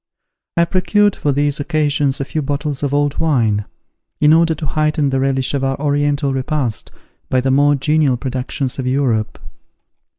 I procured for these occasions a few bottles of old wine, in order to heighten the relish of our Oriental repast by the more genial productions of Europe.